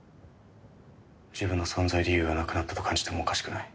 自分の存在理由がなくなったと感じてもおかしくない。